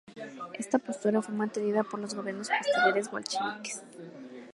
Esta postura fue mantenida por los gobiernos posteriores bolcheviques.